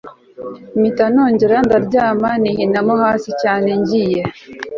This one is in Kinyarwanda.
mpita nongera ndaryama nihinamo hasi cyane ngiye